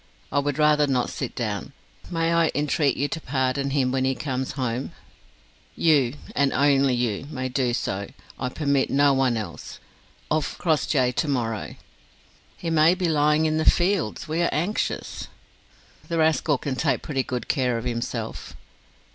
I would rather not sit down. May I entreat you to pardon him when he comes home?" "You, and you only, may do so. I permit none else. Of Crossjay to morrow." "He may be lying in the fields. We are anxious." "The rascal can take pretty good care of himself."